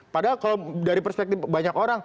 padahal kalau dari perspektif banyak orang